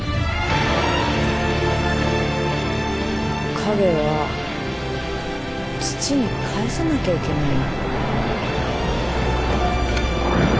影は土に還さなきゃいけないの。